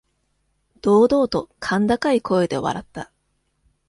堂々と甲高い声で笑った。